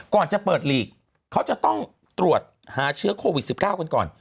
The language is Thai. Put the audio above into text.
ก่อนจะเปิดหลีกเขาจะต้องตรวจหาเชื้อโควิด๑๙กันก่อน